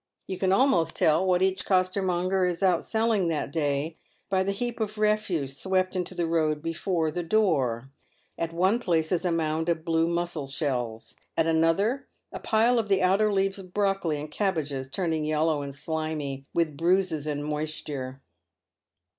' You can almost tell what each costermonger is out selling that day by the heap of refuse swept into the road before the door. At one place is a mound of blue mussel shells — at another a pile of the outer leaves of brocoli and cabbages, turning yellow and slimy with bruises and moisture.